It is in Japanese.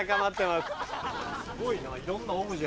すごいな。